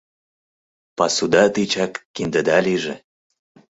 Пасуда тичак киндыда лийже.